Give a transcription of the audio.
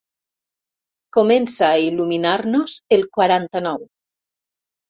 Comença a il·luminar-nos el quaranta-nou.